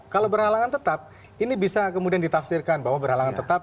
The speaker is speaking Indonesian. kalau berhalangan tetap ini bisa kemudian ditafsirkan bahwa berhalangan tetap